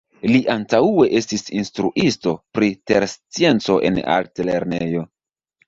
Li antaŭe estis instruisto pri terscienco en altlernejo.